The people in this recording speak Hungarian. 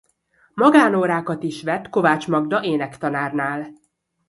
Magánórákat is vett Kovács Magda énektanárnál.